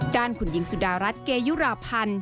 ด้านคุณหญิงสุดารัฐเกยุราพันธ์